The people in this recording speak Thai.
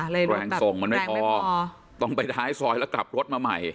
แรงส่งมันไม่พอต้องไปท้ายซอยแล้วกลับรถมาใหม่